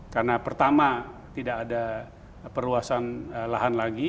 karena pertama tidak ada perluasan lahan lagi